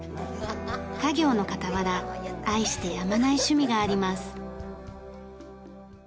家業の傍ら愛してやまない趣味があります。